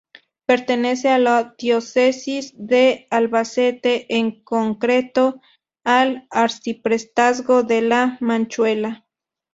Pertenece a la Diócesis de Albacete en concreto al arciprestazgo de La Manchuela.